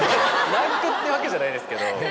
ランクってわけじゃないですけど。